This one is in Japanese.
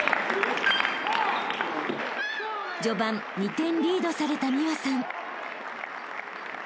［序盤２点リードされた美和さん］